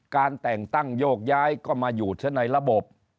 การแต่งตั้งโยกย้ายก็มาอยู่ซะในระบบ